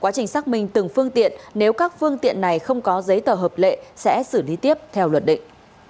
các đơn vị phối hợp sẽ xử lý tiếp theo luật định